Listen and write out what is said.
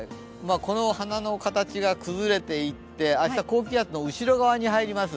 この鼻の形が崩れていって、明日高気圧の後ろ側に入ります。